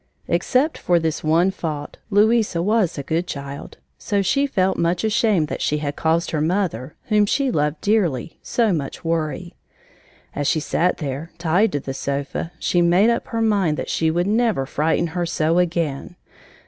Except for this one fault, Louisa was a good child, so she felt much ashamed that she had caused her mother, whom she loved dearly, so much worry. As she sat there, tied to the sofa, she made up her mind that she would never frighten her so again.